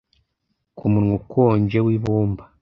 ku munwa ukonje wibumba